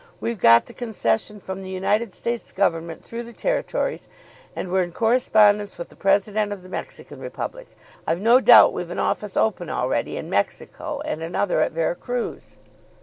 We've got the concession from the United States Government through the territories, and we're in correspondence with the President of the Mexican Republic. I've no doubt we've an office open already in Mexico and another at Vera Cruz."